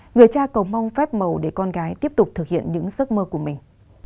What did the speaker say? người cha cầu mong phép màu để con gái tiếp tục thực hiện những giấc mơ của mình